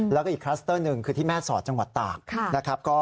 แล้วก็อีกคลัสเตอร์หนึ่งคือที่แม่สอดจังหวัดตากนะครับ